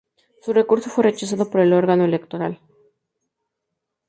Su recurso fue rechazado por el órgano electoral.